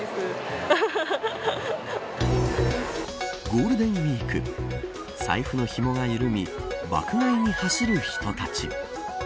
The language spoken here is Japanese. ゴールデンウイーク財布のひもが緩み爆買いに走る人たち。